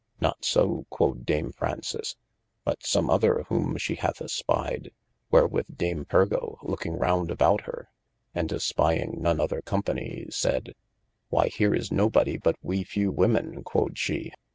Not so (quod Dame Fraunces) but some other whom she hath espyed, wherewith Dame Pergo looking round about hir, and espying none other companie 436 OF MASTER F. J. sayde. Why here is no body but we few women, qd she.